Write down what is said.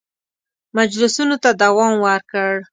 مجلسونو ته دوام ورکړ.